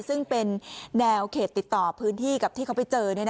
ซึ่งเป็นแนวเขตติดต่อพื้นที่กับที่เขาไปเจอ